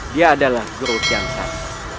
dia adalah guru yang satu